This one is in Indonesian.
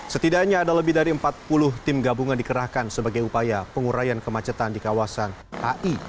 setidaknya ada lebih dari empat puluh tim gabungan dikerahkan sebagai upaya pengurayan kemacetan di kawasan ai